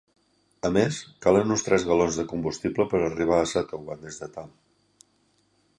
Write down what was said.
A més, calen un tres galons de combustible per arribar a Satowan des de Ta.